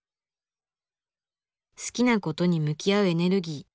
好きなことに向き合うエネルギー。